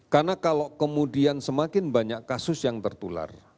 karena kalau kemudian semakin banyak kasus yang tertular